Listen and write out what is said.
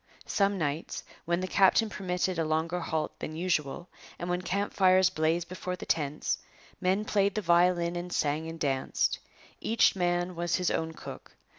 Some nights, when the captain permitted a longer halt than usual and when camp fires blazed before the tents, men played the violin and sang and danced. Each man was his own cook.